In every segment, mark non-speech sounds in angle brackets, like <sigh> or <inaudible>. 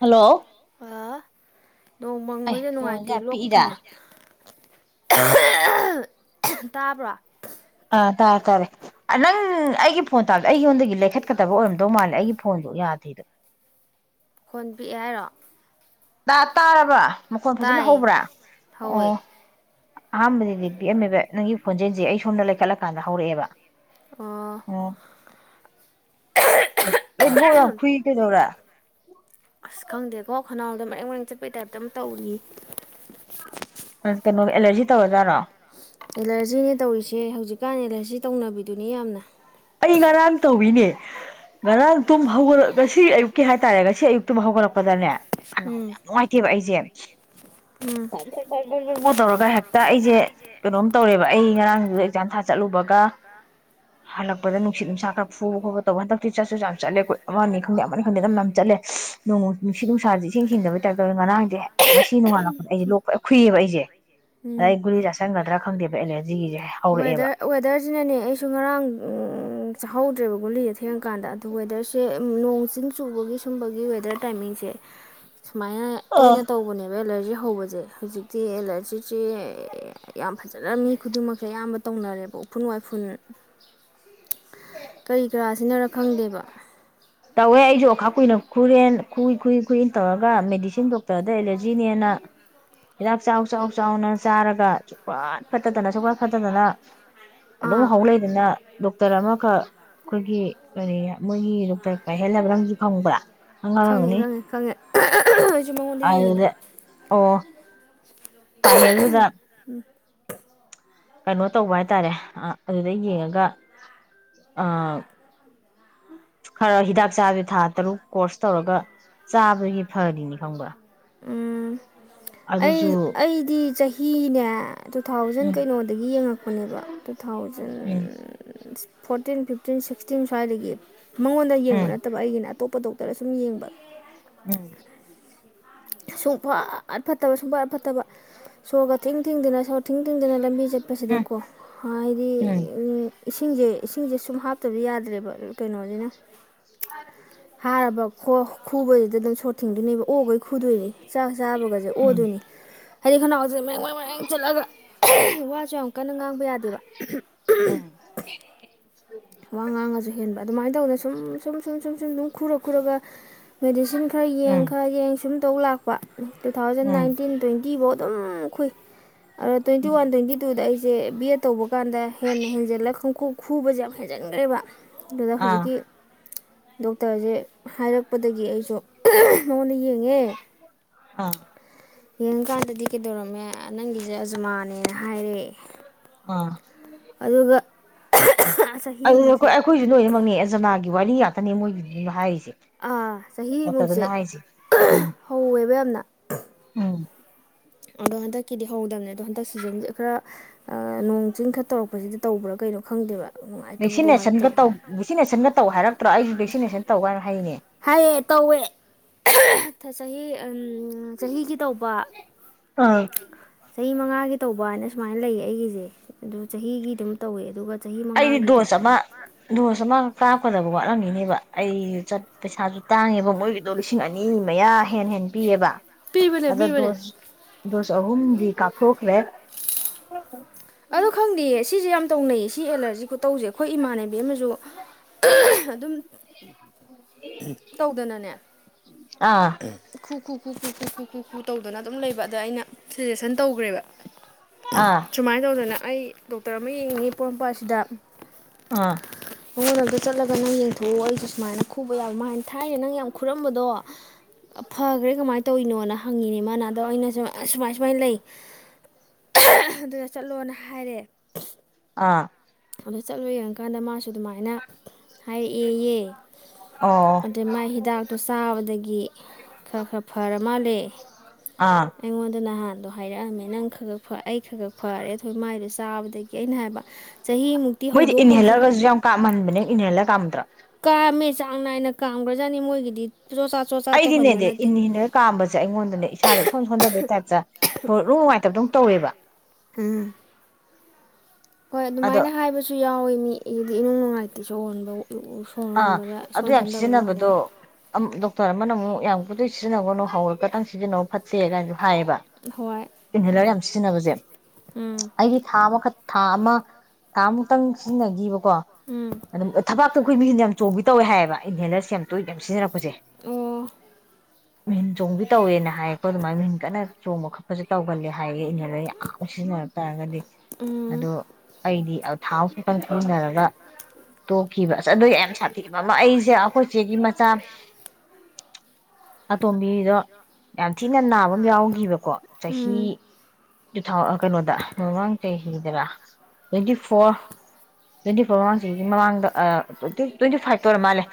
hello ꯑꯥ ꯅꯣꯡ ꯑꯩ ꯃꯪꯕꯁꯦ ꯐꯣꯟꯁꯦ ꯅꯨꯡꯉꯥꯏꯇꯦ ꯌꯥꯝ ꯂꯣꯛ ꯄꯤꯛꯏꯗ ꯊꯨꯡꯉꯦ ꯇꯥꯕꯔꯣ ꯑꯥ ꯇꯥꯔꯦ ꯇꯥꯔꯦ ꯅꯪ ꯑꯩꯒꯤ ꯐꯣꯟ ꯇꯥꯕꯗ ꯑꯩꯉꯣꯟꯗꯒꯤ ꯂꯩꯈꯠꯀꯗꯕ ꯑꯣꯏꯔꯝꯗꯧ ꯃꯥꯜꯂꯦ ꯑꯩꯒꯤ ꯐꯣꯟꯗꯣ ꯌꯥꯗꯦꯗꯣ ꯈꯣꯟ ꯄꯤꯛꯑꯦ ꯍꯥꯏꯔꯣ ꯇꯥꯔꯕ ꯃꯈꯣꯟ ꯐꯖꯅ ꯇꯥꯏꯌꯦ ꯍꯧꯕ꯭ꯔꯥ ꯍꯧꯋꯦ ꯑꯣ ꯑꯍꯥꯟꯕꯗꯗꯤ ꯄꯤꯑꯝꯃꯦꯕ ꯅꯪꯒꯤ ꯈꯣꯟꯖꯦꯜꯁꯦ ꯑꯩ ꯁꯣꯝꯗ ꯂꯩꯈꯠꯂꯀꯥꯟꯗ ꯍꯧꯔꯛꯑꯦꯕ ꯑꯣ ꯌꯥꯝ ꯐꯏꯇꯗꯧꯔ ꯑꯗꯣ ꯃꯔꯛ ꯃꯔꯦꯡ ꯆꯠꯄꯩ ꯇꯥꯏꯞꯇ ꯑꯃ ꯇꯧꯔꯤ ꯀꯩꯅꯣ ꯑꯦꯂꯔꯖꯤ ꯇꯧꯔꯗꯔꯥ ꯑꯦꯂꯔꯖꯤꯅꯦ ꯇꯧꯔꯤꯁꯦ ꯍꯧꯖꯤꯛꯀꯥꯟ ꯑꯦꯂꯔꯖꯤ ꯇꯧꯅꯕꯤꯗꯨꯅꯤ ꯌꯥꯝꯅ ꯑꯩ ꯉꯔꯥꯡ ꯇꯧꯋꯅꯦ ꯉꯔꯥꯡ ꯇꯨꯝ ꯍꯧꯒꯠꯂꯛ ꯉꯁꯤ ꯑꯌꯨꯛꯀꯤ ꯍꯥꯏꯇꯥꯔꯦ ꯉꯁꯤ ꯑꯌꯨꯛꯇꯨ ꯍꯧꯒꯠꯂꯛꯄꯗꯅꯦ ꯌꯥꯝ ꯎꯝ ꯅꯨꯡꯉꯥꯏꯇꯦꯕ ꯑꯩꯁꯦ ꯎꯝ ꯇꯧꯔꯒ ꯍꯦꯛꯇ ꯑꯩꯁꯦ ꯀꯩꯅꯣꯝ ꯇꯧꯔꯦꯕ ꯑꯩ ꯉꯔꯥꯡꯗꯨꯗ ꯑꯦꯛꯖꯥꯝ ꯊꯥ ꯆꯠꯂꯨꯕꯒ ꯍꯂꯛꯄ ꯂꯄꯗ ꯅꯨꯡꯁꯤꯠ ꯅꯨꯡꯁꯥ ꯈꯔ ꯐꯨꯕ ꯈꯣꯠꯄ ꯇꯧꯕ ꯍꯟꯗꯛꯇꯤ ꯆꯠꯁꯨ ꯌꯥꯝ ꯆꯠꯂꯦ ꯑꯩꯈꯣꯏ ꯑꯃꯅꯤꯅꯤ ꯈꯪꯗꯦ ꯑꯃꯅꯤꯅꯤ ꯈꯪꯗꯦ ꯑꯗꯨ ꯌꯥꯝ ꯆꯠꯂꯦꯣꯡ ꯅꯨꯡꯁꯤꯠ ꯅꯨꯡꯁꯥꯥꯁꯦ ꯏꯁꯤꯡ ꯁꯤꯡꯗꯩ ꯇꯥꯏꯞꯇꯧꯅ ꯉꯔꯥꯡꯦ ꯉꯁꯤꯣꯡꯉꯥꯜꯂꯛꯄꯗ ꯑꯩꯁꯦ ꯂꯣꯛꯄꯔ ꯈꯨꯨꯏꯑꯕ ꯑꯩꯁꯦ ꯎꯝ ꯑꯗꯩ ꯒꯨꯂꯤ ꯆꯥꯥꯁꯟꯒꯗ꯭ꯔꯥ ꯈꯪꯗꯦꯕ ꯑꯦꯂꯔ ꯋꯦꯗꯔ ꯋꯦꯗꯔꯁꯤꯅꯅꯦ ꯑꯩꯁꯨ ꯉꯔꯥꯡ ꯆꯥꯍꯧꯗ꯭ꯔꯦꯕ ꯒꯨꯂꯤꯁꯦ ꯊꯦꯡꯉꯀꯥꯟꯗ ꯑꯗꯣ ꯋꯦꯗꯔꯁꯦ ꯅꯣꯡ ꯆꯤꯡ ꯆꯨꯕꯒꯤ ꯁꯨꯝꯕꯒꯤ ꯋꯦꯗꯔ ꯇꯥꯏꯃꯤꯡꯁꯦ ꯁꯨꯃꯥꯏꯅ ꯑꯥ ꯇꯣꯏꯅ ꯇꯧꯕꯅꯦꯕ ꯑ ꯑꯦꯂꯔꯖꯤ ꯍꯧꯕꯁꯦ ꯍꯧꯖꯤꯛꯇꯤ ꯑꯦꯂꯔꯖꯤꯁꯦ ꯌꯥꯝ ꯐꯖꯅ ꯃꯤ ꯈꯨꯗꯤꯡꯃꯛ ꯑꯌꯥꯝꯕ ꯇꯧꯅꯔꯦꯕ ꯎꯐꯨꯟ ꯋꯥꯏꯐꯨꯟ ꯀꯔꯤ ꯀꯔꯥꯁꯤꯅꯔ ꯈꯪꯗꯦꯕ ꯇꯧꯋꯦ ꯑꯩꯁꯨ ꯑꯣꯈꯥ ꯀꯨꯏꯅ ꯈꯨꯔꯦꯟ ꯈꯨꯏ ꯈꯨꯏ ꯈꯨꯏꯟ ꯇꯧꯔꯒ ꯃꯦꯗꯤꯁꯤꯟ ꯗꯣꯛꯇꯔꯗ ꯑꯦꯂꯔꯖꯤꯅꯦꯅ ꯍꯤꯗꯥꯛ ꯆꯥꯎ ꯆꯥꯎ ꯆꯥꯎꯅ ꯆꯥꯔꯒ ꯁꯨꯛꯄꯥꯠ ꯐꯠꯇꯗꯅ ꯁꯨꯄꯠ ꯐꯠꯇꯗꯅ ꯑꯗꯨꯝ ꯑꯥ ꯍꯧ ꯂꯩꯗꯅ ꯗꯣꯛꯇꯔ ꯑꯃ ꯑꯩꯈꯣꯏꯒꯤ ꯀꯔꯤ ꯃꯣꯏꯒꯤ ꯗꯣꯛꯇꯔ ꯈ ꯍꯦꯜꯂꯕ꯭ꯔꯪꯁꯨ ꯈꯪꯕ꯭ꯔꯥ ꯑꯉꯥꯡ ꯈꯪꯉꯦ ꯑꯣꯏꯔꯝꯒꯅꯤ ꯈꯪꯉꯦ ꯈꯪꯉꯦ ꯑꯩꯁꯨ ꯃꯉꯣꯟꯗ ꯌꯦꯡꯉꯤꯅꯤ ꯄꯥꯏꯦꯜꯗꯨꯗ ꯀꯩꯅꯣ ꯇꯧꯕ ꯍꯥꯏꯇꯥꯔꯦ ꯑꯗꯨꯗ ꯌꯦꯡꯉꯒ ꯑ ꯈꯔ ꯍꯤꯗꯥꯛ ꯆꯥꯗꯤ ꯊꯥ ꯇꯔꯨꯛ ꯀꯣꯔꯁ ꯇꯧꯔꯒ ꯆꯥꯕꯒꯤ ꯐꯔꯤꯅꯤ ꯈꯪꯕ꯭ꯔꯥ ꯎꯝ ꯑꯩ ꯑꯗꯨꯁꯨ ꯑꯩꯗꯤ ꯆꯍꯤꯅꯦ ꯇꯨ ꯊꯥꯎꯖꯟ ꯎꯝ ꯀꯩꯅꯣꯗꯒꯤ ꯌꯦꯡꯉꯛꯄꯅꯦꯕ two thousand um fourteen fifteen sixteen ꯁ꯭ꯋꯥꯏꯗꯒꯤ ꯃꯉꯣꯟꯗ ꯌꯦꯡꯕ ꯎꯝ ꯅꯠꯇꯕ ꯑꯩꯒꯤꯅ ꯑꯇꯣꯞꯄ ꯗꯣꯛꯇꯔ ꯁꯨꯝ ꯌꯦꯡꯕ ꯎꯝ ꯁꯨꯡꯐꯠ ꯐꯠꯇꯕ ꯁꯨꯡꯐꯠꯠ ꯐꯠꯇꯕ ꯁꯣꯔꯒ ꯊꯤꯡ ꯊꯤꯡꯗꯅ ꯁꯣꯔ ꯊꯤꯡ ꯊꯤꯡꯗꯅ ꯂꯝꯕꯤ ꯆꯠꯄꯁꯤꯗꯀꯣ ꯍꯥꯏꯗꯤ ꯎꯝ ꯏꯁꯤꯡꯁꯦ ꯏꯁꯤꯡꯁꯦ ꯁꯨꯝ ꯍꯥꯞꯇꯕ ꯌꯥꯗ꯭ꯔꯦꯕ ꯀꯩꯅꯣꯁꯤꯅ ꯐꯥꯔꯕ <unintelligible> ꯈꯨꯕꯁꯤꯗ ꯑꯗꯨꯝ ꯁꯣꯔꯠ ꯊꯤꯡꯗꯨꯅꯦꯕ ꯑꯣꯈꯩ ꯈꯨꯗꯨꯏꯅꯤ ꯆꯥꯛ ꯆꯥꯕꯒꯁꯦ ꯎꯝ ꯑꯣꯗꯣꯏꯅꯤ <unintelligible> ꯆꯠꯂꯒ ꯋꯥꯁꯨ ꯌꯥꯝ ꯀꯟꯅ ꯉꯥꯡꯕ ꯌꯥꯗꯦꯕ ꯎꯝ ꯋꯥ ꯉꯥꯡꯉꯁꯨ ꯍꯦꯟꯕ ꯑꯗꯨꯃꯥꯏꯅ ꯇꯧꯗꯅ ꯁꯨꯝ ꯁꯨꯝ ꯁꯨꯝ ꯁꯨꯝ ꯁꯨꯝ ꯑꯗꯨꯨꯝ ꯈꯨꯔ ꯈꯨꯔꯒ ꯃꯦꯗꯤꯁꯤꯟ ꯈꯔ ꯎꯝ ꯌꯦꯡ ꯎꯝ ꯈꯔ ꯌꯦꯡꯁꯤ ꯑꯗꯨꯝ ꯇꯧ ꯂꯥꯛꯄ two thousand um nineteen twenty ꯑꯗꯨꯝ ꯈꯨꯏ ꯑꯗꯥ ꯇ꯭ꯋꯦꯟꯤ ꯋꯥꯟ ꯎꯝ ꯇ꯭ꯋꯦꯟꯇꯤ ꯇꯨꯗ ꯑꯩ ꯁꯦ ꯕꯤ ꯑꯦ ꯇꯧꯕ ꯀꯥꯟꯗ ꯍꯦꯟꯅ ꯍꯦꯟꯖꯤꯜꯂꯒ ꯈꯪꯈꯨ ꯈꯨꯕꯁꯦ ꯌꯥꯝ ꯍꯦꯟꯖꯤꯟꯈ꯭ꯔꯦꯕ ꯑꯗꯨꯗ ꯑꯥ ꯍꯧꯖꯤꯛꯀꯤ ꯗꯣꯛꯇꯔꯁꯦ ꯍꯥꯏꯔꯛꯄꯗꯒꯤ ꯑꯩꯁꯨ ꯃꯉꯣꯟꯗ ꯌꯦꯡꯉ ꯑꯥ <unintelligible> ꯌꯦꯡꯀꯥꯟꯗꯗꯤ ꯀꯩꯗꯧꯔꯝꯃꯦ ꯅꯪꯒꯤꯁꯦ ꯑꯖꯃꯥꯅꯦꯅ ꯍꯥꯏꯔꯦꯑꯦ ꯑꯥ ꯑꯗꯨꯒ ꯆꯍꯤ ꯑꯗꯨꯗ ꯑꯩꯈꯣꯏ ꯑꯃꯨꯛꯁꯦ ꯑꯩꯈꯣꯏꯁꯨ ꯂꯣꯏꯅꯃꯛ ꯑꯦꯖꯃꯥꯒꯤ ꯋꯥꯔꯤ ꯀꯅꯤ ꯃꯣꯏ ꯍꯥꯏꯁ ꯑꯥ ꯆꯍꯤꯃꯨꯛꯁꯦ ꯎꯝ ꯍꯧꯋꯦꯕ ꯌꯥꯝꯅ ꯎꯝ ꯑꯗꯣ ꯍꯟ ꯀꯗꯤ ꯍꯒꯗꯅ ꯑꯗꯣ ꯍꯟꯗꯛ ꯁꯤꯖꯟꯁꯦ ꯈꯔ ꯅꯣꯡ ꯆꯤꯡ ꯈꯔ ꯇꯧꯔꯛꯄꯁꯤꯗ ꯇꯧꯕ꯭ꯔꯥ ꯀꯩꯅꯣ ꯈꯪꯗꯦꯕ ꯅꯨꯡꯉꯥꯏꯇꯕꯗꯣ ꯚꯦꯛꯁꯤꯅꯦꯁꯟꯒ ꯅꯨꯡꯉꯥꯏꯇꯕ ꯇꯧ ꯚꯦꯛꯁꯤꯅꯦꯁꯟꯒ ꯇꯧ ꯍꯥꯏꯔꯛꯇ꯭ꯔꯣ ꯑꯩꯁꯨ ꯚꯦꯛꯁꯤꯅꯦꯁꯟ ꯇꯧ ꯍꯥꯏꯅ ꯍ ꯍꯥꯏꯅꯦ ꯍꯥꯏꯌꯦ ꯇꯧꯋꯦ ꯆꯍꯤ ꯎ ꯆꯍꯤꯒꯤ ꯇꯧꯕ ꯑꯥ ꯆꯍꯤ ꯃꯉꯥꯒꯤ ꯇꯧꯕ ꯍꯥꯏꯅ ꯁꯨꯃꯥꯏꯅ ꯂꯩꯌꯦ ꯑꯩꯒꯤꯁꯦ ꯑꯗꯨ ꯆꯍꯤꯒꯤ ꯑꯗꯨꯝ ꯇꯧꯋꯦ ꯑꯗꯨꯒ ꯆꯍꯤ ꯑꯩꯗꯤ ꯃꯉꯥꯒꯤꯗꯨ ꯗꯣꯁ ꯑꯃ ꯗꯣꯁ ꯑꯃ ꯀꯥꯛꯞꯀꯗꯕ ꯋꯥꯠꯂꯝꯃꯤꯅꯦꯕ ꯑꯩꯁꯨꯠ ꯄꯩꯁꯥꯁꯨ ꯇꯥꯡꯉꯦꯕ ꯃꯣꯏꯒꯤꯗꯣ ꯂꯤꯁꯤꯡ ꯑꯅꯤ ꯃꯌꯥ ꯍꯦ ꯍꯦꯟ ꯄꯤꯑꯕ ꯄꯤꯕꯅꯦ ꯑꯗ ꯄꯤꯕꯅꯦ ꯗꯣꯁ ꯗꯣꯁ ꯆꯍꯨꯝꯗꯤ ꯀ ꯀꯣ ꯀꯂ ꯑꯗꯣ ꯈꯪꯗꯦꯌꯦ ꯁꯤꯁꯦ ꯌꯥꯝ ꯇꯧꯅꯩꯁꯦ ꯁꯤ ꯑꯦꯂꯔꯖꯤ ꯈꯨꯣ ꯇꯧꯁꯦ ꯑꯩꯈꯣꯏ ꯏꯃꯥꯅꯦ ꯑꯥ <unintelligible> ꯀꯨ ꯀꯨ ꯀꯨ ꯀꯨ ꯀꯨ ꯀꯨ ꯇꯧꯗꯅ ꯑꯗꯨꯝ ꯂꯩꯕ ꯑꯗ ꯑꯩꯅ ꯁꯖꯦꯁꯟ ꯇꯧꯈ꯭ꯔꯦꯕ ꯑꯥ ꯁꯨꯃꯥꯏꯅ ꯇꯧꯗꯅ ꯑꯩ ꯗꯣꯛꯇꯔ ꯑꯃ ꯌꯦꯡꯅꯤꯡꯉꯤ ꯄꯣꯔꯣꯝꯄꯥꯁꯤꯗ ꯑꯥ ꯃꯉꯣꯟ ꯑꯗ ꯆꯠꯂꯒ ꯅꯪ ꯌꯦꯡꯊꯣꯛꯑꯣ ꯑꯩꯁꯨ ꯁꯨꯃꯥꯏꯅ ꯈꯨꯕ ꯌꯥꯕ ꯃꯥꯅ ꯊꯥꯏꯅꯦ ꯅꯪ ꯌꯥꯝ ꯈꯨꯔꯝꯕꯗꯣ ꯐꯈ꯭ꯔꯦ ꯀꯃꯥꯏꯅ ꯇꯧꯔꯤꯅꯣꯅ ꯍꯪꯉꯤꯅꯦ ꯃꯥꯅ ꯑꯗꯣ ꯑꯩꯅ ꯁ ꯁꯨꯃꯥꯏ ꯁꯨꯃꯥꯏꯅ ꯂꯩ ꯆꯠꯂꯣꯅ ꯍꯥꯏꯔꯦ ꯑꯥ ꯑꯣ ꯆꯠꯂꯣ ꯌꯦꯡꯉꯀꯥꯟꯗ ꯃꯥꯁꯨ ꯑꯗꯨꯃꯥꯏꯅ ꯍꯥꯏꯔꯛꯑꯦꯌꯦ ꯑꯣ ꯑꯗꯨꯗꯩ ꯃꯥꯏ ꯍꯤꯗꯥꯛꯇꯣ ꯆꯥꯕꯗꯒꯤ ꯈꯔ ꯈꯔ ꯐꯔ ꯃꯥꯜꯂꯦ ꯑꯥ ꯑꯩꯉꯣꯟꯗ ꯅꯍꯥꯟ ꯍꯥꯏꯔꯛꯑꯝꯃꯦ ꯅꯪ ꯈ ꯑꯩ ꯈꯔ ꯈꯔ ꯐꯔꯦ ꯑꯩꯈꯣꯏ ꯃꯥꯏꯗꯣ ꯆꯥꯕꯗꯒꯤ ꯑꯩꯅ ꯍꯥꯏꯕ ꯆꯍꯤꯃꯨꯛꯇꯤ ꯃꯣꯏꯗꯤ ꯍꯧꯗꯣꯛ ꯍꯧꯖꯤꯟ ꯏꯟꯍꯦꯂꯔꯒꯁꯨ ꯌꯥꯝ ꯀꯥꯝꯍꯟꯕꯅꯦ ꯏꯟꯍꯦꯂꯔ ꯀꯥꯝꯗ꯭ꯔꯥ ꯀꯥꯝꯃꯦ ꯆꯥꯡ ꯅꯥꯏꯅ ꯀꯥꯝꯈ꯭ꯔꯖꯥꯠꯅꯤ ꯃꯣꯏꯒꯤꯗꯤ ꯆꯣꯆꯥ ꯆꯣꯆꯥ ꯇꯧꯍꯟꯕ ꯑꯩꯗꯤꯅꯦꯗꯤ ꯅꯠꯇꯦ ꯏꯟ ꯍꯟꯅꯒ ꯀꯥꯝꯕꯁꯦ ꯑꯩꯉꯣꯟꯗꯅꯦ ꯏꯁꯥꯗ ꯏꯁꯣꯟ ꯁꯣꯟꯗꯕꯒꯤ ꯇꯥꯏꯞꯇ ꯁ ꯨ ꯉꯥꯏꯇꯕꯗꯝ ꯇꯧꯋꯦꯕ ꯎꯝ ꯍꯣꯏ ꯑꯗꯣ ꯑꯗꯨꯃꯥꯏꯅ ꯍꯥꯏꯕꯁꯨ ꯌꯥꯎꯋꯤ ꯃꯤ ꯑꯗꯩ ꯏꯅꯨꯡ ꯅꯨꯡꯉꯥꯏꯇꯁꯨ ꯍꯣꯟꯕ ꯁꯣꯔ ꯑꯥ ꯍꯣꯟꯕꯗ ꯑꯗꯨ ꯏꯁꯣꯟ ꯌꯥꯝ ꯁꯣꯟꯊꯕ ꯁꯤꯖꯤꯟꯅꯕꯗꯣ ꯃꯥꯜꯂꯦꯅ ꯗꯣꯛꯇꯔ ꯑꯃꯅ ꯑꯃꯨꯛ ꯌꯥꯝ ꯀꯨꯊꯩ ꯁꯤꯖꯤꯟꯅꯒꯅꯨ ꯍꯧꯔꯒꯛꯇꯪ ꯁꯤꯖꯤꯟꯅꯧ ꯐꯠꯦ ꯀꯥꯏꯗꯣ ꯍꯥꯏꯌꯦꯕ ꯍꯣꯏ ꯏ ꯍꯂ ꯌꯥꯝ ꯁꯤꯖꯤꯟꯅꯅꯕꯁꯦ ꯎꯝ ꯎꯝ ꯑꯣ ꯎꯝ ꯎꯝ ꯎꯝ ꯎꯝ ꯎꯝ ꯎꯝ ꯎꯝ ꯎꯝ ꯎꯝ ꯎꯝ ꯎꯝ ꯎꯝ ꯎꯝ ꯎꯝ ꯎꯝ ꯎꯝ ꯑꯩꯒꯤ ꯊꯥ ꯑꯃꯈꯛ ꯊꯥ ꯑꯃ ꯊꯥ ꯑꯃꯨꯛ ꯇꯡ ꯁꯤꯖꯤꯟꯅꯒꯤꯕ ꯀꯣ ꯑꯗꯨꯝ ꯊꯕꯥꯛꯇꯨ ꯑꯩꯈꯣꯏ ꯃꯤꯁꯤꯅ ꯌꯥꯝ ꯆꯣꯡꯕꯤ ꯇꯧꯋꯦ ꯍꯥꯏꯌꯦꯕ ꯑꯩ ꯒꯦꯅꯨꯁ ꯁꯦꯝ ꯇꯨꯏ ꯑꯣ ꯃꯤꯍꯨꯟ ꯆꯣꯡꯕꯤ ꯇꯧꯋꯦꯅ ꯍꯌꯦ ꯄꯔꯣ ꯑꯗꯨ ꯃꯥ ꯃꯤꯟꯀꯅ ꯆꯣꯡꯕꯥ ꯈꯞꯄꯁꯦ ꯇꯧꯒꯜꯂꯦ ꯍꯥꯏꯌꯦ ꯏꯩꯅ ꯔꯑꯩ ꯑꯥꯕꯧ ꯁꯤꯖꯤꯟꯅꯔꯛ ꯇꯥꯔꯒꯗꯤ ꯑꯗꯣ ꯑꯩꯗꯤ ꯑ ꯐꯧꯒꯤ ꯏꯟꯅꯔꯒ ꯇꯣ ꯀꯤꯕꯥ ꯁꯇ ꯑꯗꯨ ꯌꯥꯝ ꯁꯥꯊꯕ ꯑꯃ ꯑꯩꯁ ꯏꯆꯦ ꯑꯩꯈꯣꯏ ꯏꯆꯦꯒꯤ ꯃꯆꯥ ꯑꯇꯣꯝꯕꯤꯗꯣ ꯌꯥꯝ ꯊꯤꯅ ꯅꯥꯕꯥ ꯑꯃ ꯌꯥꯎꯒꯤꯕꯀꯣ ꯆꯍꯤ ꯇꯨ ꯊꯥꯎ ꯀꯩꯅꯣꯗ ꯃꯃꯥꯡ ꯆꯍꯤꯗꯔꯥ ꯇꯣꯏꯟꯇꯤ ꯐꯣꯔ ꯇꯨꯏꯟꯇꯤ ꯐꯣꯔ ꯃꯃꯥꯡ ꯆꯍꯤꯒꯤ ꯃꯃꯥꯡꯗ ꯑꯥ ꯇꯋꯦꯟꯇꯤ ꯐꯥꯏꯐ ꯇꯣꯔꯥ ꯃꯥꯜꯂꯦ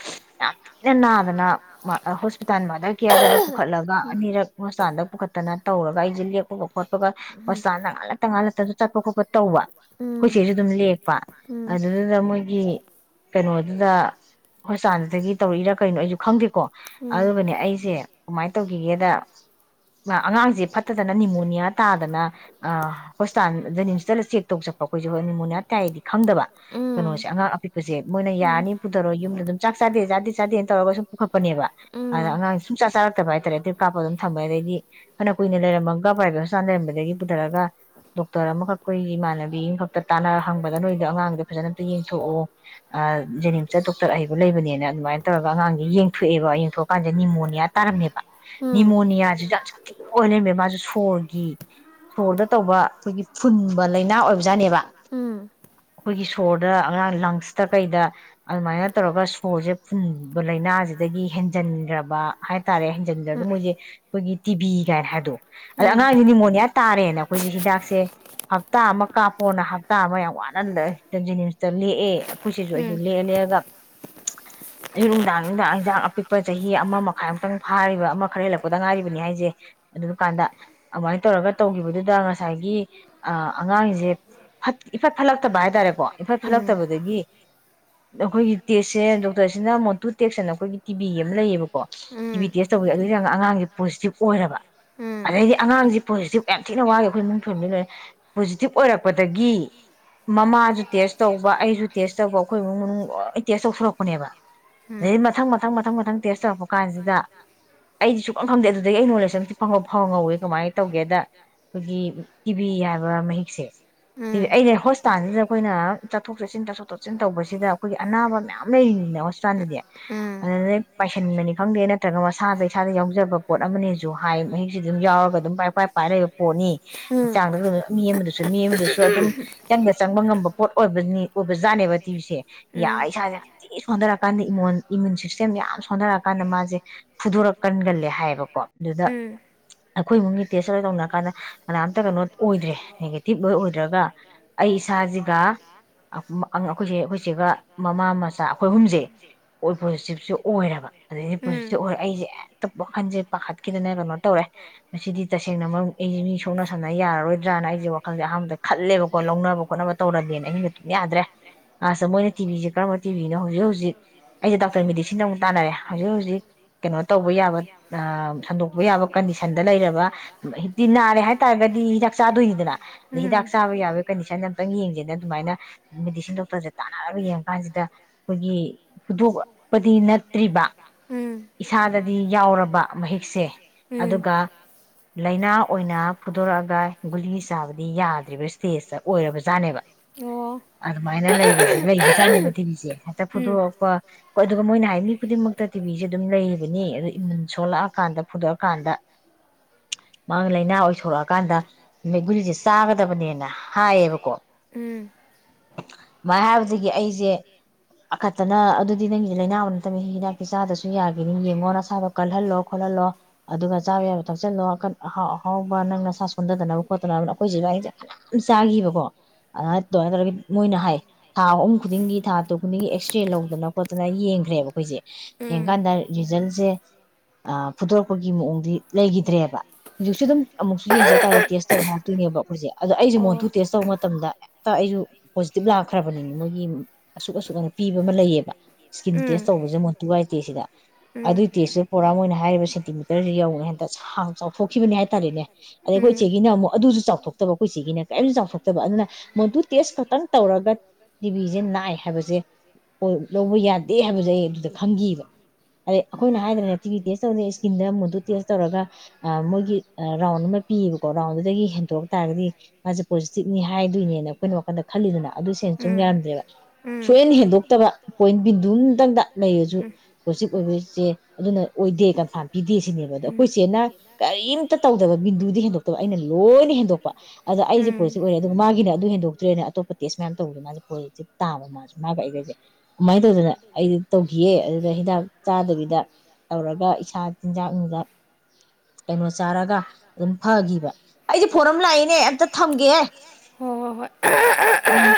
ꯌꯥꯝ ꯊꯤꯅ ꯅꯥꯗꯅ ꯃꯥ ꯍꯣꯁꯄꯤꯇꯥꯜ ꯃꯥꯗꯔ ꯀꯦꯌꯔꯗꯒ ꯄꯨꯈꯠꯂꯒ ꯑꯅꯤꯔꯛ ꯍꯣꯁꯄꯤꯇꯥꯜꯗ ꯄꯨꯈꯠꯇꯅ ꯇꯧꯔꯒ ꯑꯩꯁꯦ ꯂꯦꯛꯞꯄ ꯐꯣꯠꯄꯒꯟ ꯍꯣꯁꯄ꯭ꯤꯇꯟꯗꯥ ꯉꯥꯛ ꯂꯩꯇꯅ ꯉꯥꯀ ꯂꯩꯇꯅ ꯆꯠꯄꯥ ꯈꯣꯠꯄꯗ ꯇꯧꯕ ꯑꯩꯈꯣꯏꯁꯤꯁꯨ ꯑꯗꯨꯝ ꯂꯦꯛꯄ ꯑꯗꯨꯗꯨꯗ ꯃꯣꯏꯒꯤ ꯀꯩꯅꯣꯗꯨꯗ ꯍꯣꯁꯄꯤꯇꯥꯜꯗꯒꯤ ꯇꯧꯔꯛꯏꯔꯥ ꯀꯩꯅꯣ ꯑꯩꯁꯨ ꯈꯪꯗꯦꯀꯣ ꯑꯗꯨꯒꯥꯅꯦ ꯑꯩꯁꯦ ꯀꯃꯥꯏꯅ ꯇꯧꯈꯤꯒꯦꯗ ꯑꯉꯥꯡꯁꯦ ꯐꯠꯇꯗꯅ ꯅꯤꯃꯣꯅꯤꯌꯥ ꯇꯥꯗꯅ ꯑꯥ ꯍꯣꯁꯄꯤꯇꯥꯜ ꯖꯅꯤꯝꯁꯇ ꯆꯦꯛ ꯇꯧ ꯆꯠꯄ ꯑꯩꯈꯣꯏꯁꯦ ꯍꯣꯏ ꯅꯤꯃꯣꯅꯤꯌꯥ ꯇꯥꯏꯗꯤ ꯈꯪꯗꯕ ꯀꯩꯅꯣꯁꯦ ꯑꯉꯥꯡ ꯑꯄꯤꯛꯄꯁꯦ ꯃꯣꯏꯅ ꯌꯥꯔꯅꯤ ꯄꯨꯗꯔꯣ ꯌꯨꯝꯗ ꯑꯗꯨꯝ ꯆꯥꯛ ꯆꯥꯗꯦꯗꯦ ꯆꯥꯗꯦ ꯇꯧꯔꯒꯥ ꯁꯨꯝ ꯄꯨꯈꯥꯞ ꯄꯅꯦꯕ ꯑꯗ ꯑꯉꯥꯡꯁ ꯁꯨꯡ ꯆꯆꯥ ꯆꯥꯔꯛꯇꯕ ꯍꯥꯏꯇꯥꯔꯦ ꯗꯔ꯭ꯤꯞ ꯀꯥꯞꯄ ꯑꯗꯨꯝ ꯊꯝꯕꯃꯦ ꯑꯗꯒꯤꯗꯤ ꯑꯅꯝ ꯀꯨꯏꯅ ꯂꯩꯔꯝꯃꯒ ꯄ꯭ꯔꯥꯏꯚꯦꯠ ꯂꯩꯔꯝꯕꯗꯒꯤ ꯄꯨꯊꯔꯒ ꯗꯣꯛꯇꯔ ꯑꯃꯈꯛ ꯑꯩꯈꯣꯏꯒꯤ ꯏꯃꯥꯟꯅꯕꯤ ꯑꯃꯈꯛꯇ ꯇꯥꯟꯅꯔ ꯍꯪꯕꯗ ꯅꯣꯏꯗꯣ ꯑꯉꯥꯡꯗꯣ ꯐꯖꯅ ꯌꯦꯡꯊꯣꯛꯑꯣ ꯑꯥꯠ ꯖꯦꯅꯤꯝꯁꯇ ꯗꯣꯛꯇꯔ ꯑꯍꯩꯕ ꯂꯩꯕꯅꯤꯅ ꯑꯗꯨꯃꯥꯏꯅ ꯇꯧꯔꯒ ꯑꯉꯥꯡꯁꯦ ꯌꯦꯡꯊꯣꯛꯑꯦꯕ ꯌꯦꯡꯊꯣꯛꯑꯀꯥꯟꯁꯤꯗ ꯅꯤꯃꯣꯅꯤꯌꯥ ꯇꯥꯔꯝꯃꯦꯕ ꯅꯤꯃꯣꯅꯤꯌꯥꯁꯤꯁꯨ ꯌꯥꯝ ꯁꯥꯊꯤꯅ ꯑꯣꯏꯅ ꯂꯩꯝꯃꯦ ꯃꯥꯁꯨ ꯁꯣꯔꯒꯤ ꯁꯣꯔꯗ ꯇꯧꯕ ꯑꯩꯈꯣꯏꯒꯤ ꯐꯨꯟꯕ ꯂꯥꯏꯅꯥ ꯑꯣꯏꯕꯖꯥꯠꯅꯦꯕ ꯎꯝ ꯑꯩꯈꯣꯏꯒꯤ ꯁꯣꯔꯗ ꯑꯉꯥꯡ ꯂꯥꯉꯁ ꯑꯇꯩꯗ ꯑꯗꯨꯃꯥꯏꯅ ꯇꯧꯔꯒ ꯁꯣꯔꯁꯦ ꯐꯨꯟꯕ ꯂꯥꯏꯅꯥꯁꯤꯗꯒꯤ ꯍꯦꯟꯖꯟꯈ꯭ꯔꯕ ꯍꯥꯏꯇꯥꯔꯦ ꯍꯦꯟꯖꯤꯟꯈ꯭ꯔꯒ ꯃꯣꯏꯁꯦ ꯑꯩꯈꯣꯏꯒꯤ ꯇꯤꯕꯤ ꯀꯥꯏꯅ ꯍꯥꯏꯗꯣ ꯑꯗ ꯑꯉꯥꯡꯁꯦ ꯅꯤꯃꯣꯅꯤꯌꯥ ꯇꯥꯔꯦꯅ ꯑꯩꯈꯣꯏꯁꯦ ꯍꯤꯗꯥꯛꯁꯦ ꯍꯞꯇꯥ ꯑꯃ ꯀꯥꯞꯄꯣꯅ ꯍꯞꯇꯥ ꯑꯃ ꯌꯥꯝ ꯋꯥꯅꯑꯟꯗꯤ ꯂꯩꯝꯖꯅꯤꯝꯁꯇ ꯂꯦꯛꯑꯦ ꯑꯩꯈꯣꯏꯁꯤꯁꯨ ꯑꯩꯩꯁꯨ ꯂꯦꯛꯑ ꯂꯦꯛꯑꯒ ꯑꯌꯨꯛ ꯅꯨꯡꯗꯥꯡ ꯅꯨꯡꯗꯥꯡ ꯏꯟꯁꯥꯡ ꯑꯄꯤꯛꯄ ꯆꯍꯤ ꯑꯃ ꯃꯈꯥꯏꯃꯨꯛꯇꯪ ꯐꯥꯔꯤꯕ ꯑꯃ ꯈꯔ ꯍꯦꯜꯂꯛꯄꯗ ꯉꯥꯏꯔꯤꯕꯅꯤ ꯍꯥꯏꯁꯦ ꯑꯗꯨꯀꯥꯟꯗ ꯑꯗꯨꯃꯥꯏꯅ ꯇꯧꯔꯒ ꯇꯧꯈꯤꯕꯗꯨꯗ ꯉꯁꯥꯏꯒꯤ ꯑꯉꯥꯡꯁꯦ ꯏꯐꯠ ꯐꯠꯂꯛꯇꯕ ꯍꯥꯏꯇꯥꯔꯦꯀꯣ ꯏꯝꯐꯠ ꯐꯠꯂꯛꯇꯕꯗꯒꯤ ꯑꯩꯈꯣꯏꯒꯤ ꯇꯦꯛꯁꯁꯦ ꯗꯣꯛꯇꯔꯁꯤꯅ ꯃꯣꯇꯨ ꯇꯦꯛꯁ ꯑꯅ ꯑꯩꯈꯣꯏꯒꯤ ꯇꯤꯕꯤ ꯑꯃ ꯂꯩꯌꯦꯕꯀꯣ ꯀꯣ ꯇꯤꯚꯕꯤ ꯇꯦꯁ ꯇꯧꯦ ꯑꯉꯥꯡꯁꯦ ꯄꯣꯖꯤꯇꯤꯕ ꯑꯣꯏꯔꯕ ꯎꯝ ꯎꯝ ꯎꯝ ꯑꯗꯩꯗꯤ ꯑꯉꯥꯡꯁꯤ ꯄꯣꯖꯤꯇꯤꯕ ꯌꯥꯝ ꯊꯤꯅ ꯋꯥꯒꯦ ꯑꯩꯈꯣꯏ ꯏꯡ ꯐꯦꯃꯤꯂꯤ ꯂꯣꯏꯔꯦ ꯄꯣꯖꯤꯇꯤꯚ ꯑꯣꯏꯔꯛꯄꯗꯒꯤ ꯃꯃꯥꯁꯨ ꯇꯦꯁ ꯇꯧꯕ ꯑꯩꯁꯨ ꯇꯦꯁ ꯇꯧꯕ ꯑꯩꯈꯣꯏ ꯏꯃꯨꯡ ꯃꯅꯨꯡ ꯂꯣꯏ ꯇꯦꯁ ꯇꯧꯊꯣꯔꯛꯄꯅꯦꯕ ꯑꯗꯩꯗꯤ ꯃꯊꯪ ꯃꯊꯪ ꯃꯊꯪ ꯃꯊꯪ ꯇꯦꯁ ꯇꯧꯔꯛꯄ ꯀꯥꯟꯁꯤꯗ ꯑꯩꯗꯤ ꯁꯨꯛꯝ ꯈꯪꯗꯦ ꯑꯗꯨꯗꯒꯤ ꯑꯩ ꯅꯣꯂꯦꯖ ꯑꯇ ꯐꯪꯕ ꯐꯥꯎ ꯉꯧꯋꯦ ꯀꯃꯥꯏꯅ ꯇꯧꯒꯦꯗ ꯑꯩꯈꯣꯏꯒꯤ ꯇꯤꯚꯤ ꯍꯥꯏꯕ ꯃꯍꯤꯛꯁꯦ ꯑꯗꯨꯗꯤ ꯑꯩꯁꯦ ꯍꯣꯁꯄꯤꯇꯥꯜꯁꯤꯗ ꯑꯩꯈꯣꯏꯅ ꯆꯠꯊꯣꯛ ꯆꯠꯁꯤꯟ ꯇꯊꯣꯛ ꯇꯣꯠꯁꯤꯤꯟ ꯇꯧꯕꯁꯤꯗ ꯑꯩꯈꯣꯏꯒꯤ ꯑꯅꯥꯕ ꯃꯌꯥꯝ ꯂꯩꯔꯤꯅꯤꯅ ꯍꯣꯁꯄꯤꯇꯥꯜꯗꯗꯤ ꯑꯗꯨ ꯄꯥꯏꯁꯤꯟꯕꯅꯤ ꯈꯪꯗꯦ ꯅꯠꯇ꯭ꯔꯒ ꯃꯁꯥꯗ ꯏꯁꯥꯗ ꯌꯥꯎꯖꯕ ꯄꯣꯠ ꯑꯃꯅꯤꯅꯦꯁꯨ ꯍꯥꯏ ꯃꯍꯤꯛꯁꯤ ꯑꯗꯨꯝ ꯌꯥꯎꯔꯒ ꯑꯗꯨꯝ ꯄꯥꯏ ꯄꯥꯏ ꯄꯥꯏꯔꯏꯕ ꯄꯣꯠꯅꯤ ꯍꯛꯆꯥꯡꯗꯝ ꯃꯤ ꯑꯃꯗꯁꯨ ꯃꯤ ꯃꯤꯗꯨꯁꯨ ꯑꯗꯨꯝ ꯆꯪꯕ ꯆꯪꯕ ꯉꯝꯕ ꯄꯣꯠ ꯑꯣꯏꯕ ꯅꯤ ꯖꯅꯦꯕ ꯁꯦ ꯌꯥꯏ ꯁꯦ ꯑ ꯁꯨꯗꯔ ꯀꯥꯟꯗ ꯏꯃꯣꯟ ꯏꯃ꯭ꯌꯨꯟ ꯁꯤꯁꯇꯦꯝ ꯌꯥꯝ ꯁꯣꯟꯅꯔꯛꯀꯥꯟꯗ ꯃꯥꯁꯦ ꯐꯨꯗꯣꯔꯛꯀꯟꯒꯜꯂꯦ ꯍꯥꯏꯌꯦꯕꯀꯣ ꯑꯗꯨꯗ ꯌꯥꯝ ꯑꯩꯈꯣꯏ ꯏꯕꯨꯡꯒꯤ ꯇꯦꯁ ꯑꯗꯨ ꯇꯧꯅꯔꯀꯥꯟꯗ ꯀꯅꯥꯝꯇ ꯀꯩꯅꯣ ꯑꯣꯏꯗ꯭ꯔꯦ ꯅꯦꯒꯦꯇꯤꯚ ꯂꯣꯏ ꯑꯣꯏꯗ꯭ꯔꯦ ꯭ꯔꯒ ꯑꯩ ꯏꯁꯥꯁꯤꯒ ꯑꯩꯈꯣꯏꯁꯦ ꯑꯩꯈꯣꯏꯁꯤꯒ ꯃꯃꯥ ꯃꯆꯥ ꯑꯩꯈꯣꯏ ꯑꯍꯨꯝꯁꯦ ꯑꯣꯏ ꯑꯣꯏꯔꯕ ꯑꯗꯗꯒꯤꯗꯤ ꯎꯝ ꯄꯨꯟꯁꯤꯁꯦ ꯑꯣꯏꯔꯛ ꯑꯩꯏꯁꯦ ꯇꯞ ꯋꯥꯈꯟꯁꯦ ꯄꯥꯈꯠꯈꯤꯗꯅ ꯀꯩꯅꯣ ꯇꯧꯔꯦ ꯃꯁꯤꯗꯤ ꯇꯁꯦꯡꯅꯃꯛ ꯑꯩꯁꯦ ꯃꯤ ꯁꯣꯛꯅ ꯁꯝꯅ ꯌꯥꯔꯔꯣꯏꯗ꯭ꯔꯥꯅ ꯑꯩꯁꯦ ꯋꯥꯈꯜꯁꯦ ꯑꯍꯥꯟꯕꯗ ꯈꯜꯂꯦꯕꯀꯣ ꯂꯧꯅꯕ ꯈꯣꯠꯅꯕ ꯇꯧꯔꯦꯅ ꯑꯍꯤꯡꯕ ꯌꯥꯗ꯭ꯔꯦ ꯑꯁ ꯃꯣꯏꯅ ꯇꯤꯚꯤꯁꯦ ꯀꯔꯝꯕ ꯇꯤꯚꯅ ꯍꯧꯖꯤꯛ ꯍꯧꯖꯤꯛ ꯑꯩꯁꯦ ꯗꯥꯛꯇꯔ ꯃꯦꯗꯤꯁꯤꯟꯗ ꯑꯃꯨꯛ ꯇꯥꯟꯅꯔꯦ ꯍꯧꯖꯤꯛ ꯍꯧꯖꯤꯛ ꯀꯩꯅꯣ ꯇꯧꯕ ꯌꯥꯕ ꯁꯟꯗꯣꯛꯄ ꯌꯥꯕ ꯀꯟꯗꯤꯁꯟꯗ ꯂꯩꯔꯕꯤ ꯅꯥꯔꯦ ꯍꯥꯏꯇꯥꯥꯔꯒꯗꯤ ꯍꯤꯗꯥꯛ ꯆꯥꯗꯣꯏꯅꯤꯗꯅ ꯑꯗ ꯍꯤꯗꯥꯛ ꯆꯥꯕ ꯌꯥꯕꯒꯤ ꯀꯟꯗꯤꯁꯟꯗ ꯑꯝꯇꯪ ꯌꯦꯡꯁꯦꯅ ꯑꯗꯨꯃꯥꯏꯅ ꯃꯦꯗꯤꯁꯤ ꯗꯣꯛꯔ ꯇꯥꯟꯅꯔꯒ ꯌꯦꯡꯉ ꯀꯥꯟꯁꯤꯗ ꯑꯩꯈꯣꯏꯒꯤ ꯐꯨꯗꯣꯛꯄꯗꯤ ꯅꯠꯇ꯭ꯔꯤꯕ ꯎꯝ ꯏꯁꯥꯗꯗꯤ ꯌꯥꯎꯔꯕ ꯃꯍꯤꯛꯁꯦ ꯎꯝ ꯑꯗꯨꯒ ꯂꯥꯏꯅꯥ ꯑꯣꯏꯅ ꯐꯨꯗꯣꯔꯛꯑꯒ ꯒꯨꯂꯤ ꯆꯥꯕꯗꯤ ꯌꯥꯗ꯭ꯔꯤꯕ ꯏꯁꯇꯦꯖꯇ ꯑꯣꯏꯔꯕꯖꯥꯠꯅꯦꯕ ꯑꯣ ꯑꯗꯨꯃꯥꯏꯅ ꯂꯩꯕꯁꯤ ꯅꯦꯕ ꯗꯤꯜꯂꯤꯁꯦ ꯍꯦꯛꯇ ꯎꯝ ꯐꯨꯗꯣꯔꯛꯄ ꯑ ꯃꯣꯏꯅ ꯍꯥꯏ ꯃꯤ ꯈꯨꯗꯤꯡꯃꯛꯇ ꯇꯤꯕꯤꯁꯤꯦ ꯑꯗꯨꯝ ꯂꯩꯕꯅꯤ ꯑ ꯏꯃꯨꯟ ꯁꯣꯂꯛꯑꯀꯥꯟꯗ ꯐꯨꯗꯣꯛꯑꯀꯥꯟꯗ ꯃꯥꯒꯤ ꯂꯥꯏꯅꯥ ꯑꯣꯏꯊꯣꯔꯛꯑꯀꯥꯟꯗ ꯃꯤ ꯒꯨꯔꯤꯁꯦ ꯆꯥꯒꯗꯕꯅꯦꯅ ꯍꯥꯏꯌꯦꯕꯀꯣ ꯎꯝ ꯃꯥꯏ ꯍꯥꯏꯕꯗꯒꯤ ꯑꯩꯁꯦ ꯑꯈꯠꯇꯅ ꯑꯗꯨꯗꯤ ꯅꯪꯒꯤꯁꯦ ꯂꯩꯥꯏꯅꯥꯕ ꯅꯠꯇꯕꯃꯤ ꯍꯤꯗꯥꯛꯇꯤ ꯆꯥꯗꯁꯨ ꯌꯥꯈꯤꯅꯤ ꯌꯦꯡꯉꯣ ꯅꯁꯥꯗ ꯀꯜꯍꯜꯂꯣ ꯈꯣꯠꯍꯜꯂꯣ ꯑꯗꯨꯒ ꯆꯥꯕ ꯌꯥꯕ ꯊꯛꯆꯜꯂꯣ ꯑꯀꯟ ꯑꯍꯥꯎ ꯑꯍꯥꯎꯕ ꯅꯪ ꯅꯁꯥ ꯁꯣꯟꯊꯗꯅꯕ ꯈꯣꯠꯇꯅꯕ ꯑꯩꯈꯣꯏꯁꯤꯁꯨꯏꯡꯁꯦꯈꯖ ꯆꯥꯈꯤꯕꯀꯣ ꯑꯗꯨꯃ ꯑꯗꯨꯃꯥꯏꯅ ꯇꯧꯔꯒ ꯃꯣꯏꯅ ꯍꯥꯏ ꯊꯥ ꯑꯍꯨꯝ ꯈꯨꯗꯤꯡꯒꯤ ꯊꯥ ꯇꯨ ꯈꯨꯗꯤꯡꯒꯤ ꯑꯦꯛꯁꯔꯦ ꯂꯧꯗꯅ ꯈꯣꯠꯇꯅ ꯌꯦꯡꯈ꯭ꯔꯦꯕ ꯑꯩꯈꯣꯏꯁꯦ ꯌꯦꯀ ꯎꯝ ꯔꯤꯖꯜ ꯁꯦ ꯐꯨꯗꯣꯔꯛꯄꯒꯤ ꯃꯑꯣꯡꯗꯤ ꯂꯩꯈꯤꯗ꯭ꯔꯦꯕ ꯍꯧꯖꯤꯛꯁꯨ ꯑꯗꯨꯝ ꯑꯃꯨꯛꯁꯨ ꯌꯦꯡꯖ ꯇꯥꯔꯗꯤ ꯇꯦꯁ ꯇꯧ ꯍꯥꯏꯔꯇꯣꯏꯅꯦꯕ ꯑꯩꯈꯣꯏꯁꯦ ꯑꯗꯣ ꯑꯩꯁꯦ ꯑꯣ ꯃꯣꯟꯊꯨ ꯇꯦꯁ ꯇꯧꯕ ꯃꯇꯝꯗ ꯍꯦꯛꯇ ꯑꯩꯁꯨ ꯄꯣꯖꯤꯇꯤꯕ ꯂꯥꯛꯈ꯭ꯔꯕꯅꯤꯅ ꯃꯣꯏꯒꯤ ꯑꯁꯨꯛ ꯑꯁꯨꯛ ꯑꯅ ꯄꯤꯕ ꯑꯃ ꯂꯩꯌꯦꯕ ꯏꯁꯀꯤꯟ ꯇꯦꯁ ꯎꯝ ꯇꯧꯕꯁꯦ ꯃꯣꯟꯇꯨꯒꯥꯏꯇꯦ ꯁꯤꯗ ꯎꯝ ꯑꯗꯨꯏ ꯇꯦꯁꯇꯨ ꯄꯨꯣꯔꯥ ꯃꯣꯏꯅ ꯍꯥꯏꯔꯤꯕ ꯁꯦꯟꯇꯤꯃꯤꯇꯔꯁꯤ ꯌꯧꯔ ꯍꯦꯛꯇ ꯁꯥꯡ ꯆꯥꯎꯊꯣꯛꯈꯤꯕꯅꯦ ꯍꯥꯏ ꯇꯥꯔꯦꯅꯦ ꯑꯗꯩ ꯑꯩꯈꯣꯏ ꯎꯝ ꯏꯆꯦꯒꯤꯅ ꯑꯃꯨꯛ ꯑꯗꯨꯁꯨ ꯆꯥꯎꯊꯣꯛꯇꯕ ꯑꯩꯈꯣꯏ ꯆꯆꯦꯒꯤꯅ ꯀꯔꯤꯝꯇꯁꯨ ꯆꯥꯎꯊꯣꯛꯇꯕ ꯑꯗꯨꯅ ꯃꯣꯟꯗꯨꯨ ꯇꯦꯁ ꯈꯛꯇꯪ ꯇꯧꯔꯒ ꯇꯤꯕꯤꯖꯦ ꯅꯥꯏ ꯍꯥꯏꯕꯁꯦ ꯂꯧꯕ ꯌꯥꯗꯦ ꯍꯥꯏꯕꯁꯦ ꯑꯩ ꯑꯗꯨꯗ ꯈꯪꯒꯤꯕ ꯑꯗꯩ ꯑꯩꯈꯣꯏꯅ ꯍꯥꯏꯗ꯭ꯔꯦꯅ ꯇꯤꯚꯤ ꯇꯦꯁ ꯇꯧꯗꯦ ꯏꯁꯀꯤꯟꯗ ꯃꯨꯗꯨꯨ ꯇꯦꯁ ꯇꯧꯔꯒ ꯃꯣꯏꯒꯤ ꯔꯥꯎꯟ ꯑꯃ ꯄꯤꯌꯦꯕꯀꯣ ꯔꯥꯎꯟꯗꯨꯗꯒꯤ ꯍꯦꯟꯗꯣꯛ ꯇꯥꯔꯒꯗꯤ ꯃꯥꯁꯦ ꯄꯣꯖꯤꯇꯤꯕꯅꯤ ꯍꯥꯏꯗꯣꯏꯅꯦꯅ ꯑꯩꯈꯣꯏꯅ ꯋꯥꯈꯟꯗ ꯈꯜꯂꯤꯗꯅ ꯑꯗꯨ ꯁꯦꯅ ꯁꯨꯝ ꯑꯩꯅ ꯌꯥꯔꯝꯗ꯭ꯔꯦꯕ ꯎꯝ ꯎꯝ ꯁꯣꯏꯅ ꯍꯦꯟꯗꯣꯛꯇꯕ ꯄꯣꯏꯟ ꯕꯤꯟꯗꯨ ꯑꯃꯇꯪꯗ ꯂꯩꯔꯁꯨ ꯄꯣꯖꯤꯇꯤꯕ ꯑꯣꯏꯕꯁꯦ ꯑꯗꯨꯅ ꯑꯣꯏꯗꯦ ꯀꯟꯐꯥꯝ ꯄꯤꯗꯦ ꯁꯤꯅꯦꯕ ꯑꯗꯣ ꯎꯝ ꯑꯩꯈꯣꯏꯆꯦꯅ ꯀꯔꯤꯝꯇ ꯇꯧꯗꯕ ꯕꯤꯟꯗꯨꯗꯤ ꯍꯦꯟꯗꯣꯛꯇꯕ ꯑꯩꯅ ꯂꯣꯏꯅ ꯍꯦꯟꯗꯣꯛꯄ ꯑꯗ ꯑꯩꯁꯦ ꯎꯝ ꯄꯣꯖꯤꯇꯤꯕ ꯑꯣꯏꯔꯦ ꯑꯗꯨꯒ ꯃꯥꯒꯤꯅ ꯑꯗꯨ ꯍꯦꯟꯗꯣꯛ ꯇꯦꯁ ꯃꯌꯥꯝ ꯇꯧꯕꯗ ꯃꯥꯁꯦ ꯄꯣꯖꯤꯇꯤꯚ ꯇꯥꯕ ꯃꯥꯁꯦ ꯃꯥꯒ ꯑꯩꯒꯁꯦ ꯑꯗꯨꯃꯥꯏꯅ ꯇꯧꯗꯅ ꯑꯩꯗꯤ ꯇꯧꯈꯤꯌꯦ ꯑꯗꯨꯗ ꯍꯤꯗꯥꯛ ꯆꯥꯗꯕꯤꯗ ꯇꯧꯔꯒ ꯏꯁꯥ ꯆꯤꯟꯖꯥꯛ ꯅꯨꯡꯗ ꯀꯩꯅꯣ ꯆꯥꯔꯒ ꯑꯗꯨꯝ ꯐꯈꯤꯕ ꯑꯩꯗꯤ ꯐꯣꯔ ꯑꯃ ꯂꯥꯛꯏꯅꯦ ꯑꯝꯇ ꯊꯝꯒꯦ ꯍꯣꯏ ꯍꯣꯏ ꯍꯣꯏ ꯎꯝ